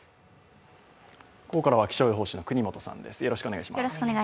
ここからは気象予報士の國本さんです。